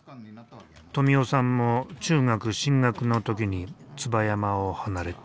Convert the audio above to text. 富男さんも中学進学の時に椿山を離れた。